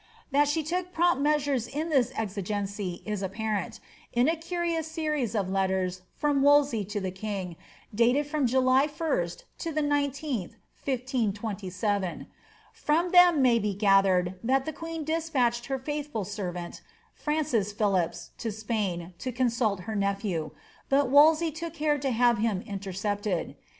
That she took prompt measures in this exigence is apparent, in a curious series of letters from Wolsey to the king, dated from July 1st to the 19th, 15*^7. From them may be gathered, that tlie ([ueen dc8])utched her faithful servant, Francis Phil lipps, to Sj)ain, to consult her nephew ; but Wolsey took care to have him intercepted.